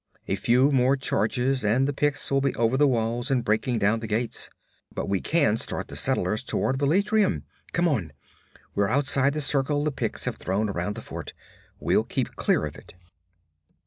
A few more charges and the Picts will be over the walls and breaking down the gates. But we can start the settlers toward Velitrium. Come on! We're outside the circle the Picts have thrown around the fort. We'll keep clear of it.'